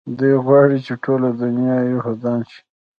دوى غواړي چې ټوله دونيا يهودان شي.